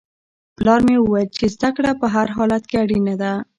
پلار مې وویل چې زده کړه په هر حالت کې اړینه ده.